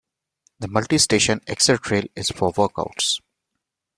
The multi-station Exer-Trail is for workouts.